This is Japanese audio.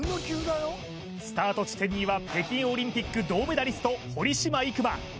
スタート地点には北京オリンピック銅メダリスト堀島行真